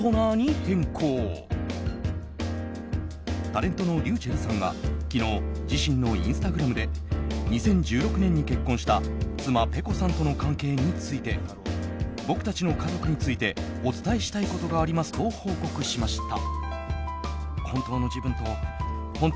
タレントのｒｙｕｃｈｅｌｌさんは昨日自身のインスタグラムで２０１６年に結婚した妻ｐｅｃｏさんとの関係について僕たちの家族についてお伝えしたいことがありますと報告しました。